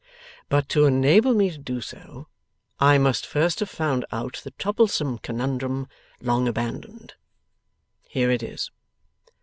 But to enable me to do so, I must first have found out the troublesome conundrum long abandoned. Here it is.